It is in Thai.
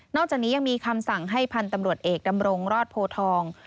อกจากนี้ยังมีคำสั่งให้พันธุ์ตำรวจเอกดำรงรอดโพทอง